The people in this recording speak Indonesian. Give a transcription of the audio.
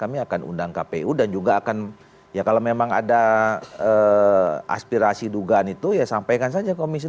kami akan udang kpu dan juga akan iacala memang ada aspirasi duga itu ya sampaikan saja komisi dua